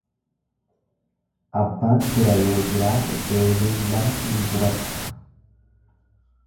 Abbaan bira yoo jiraate eeleen lama hin gubattu.